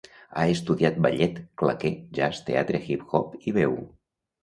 Ha estudiat ballet, claqué, jazz, teatre, hip-hop i veu.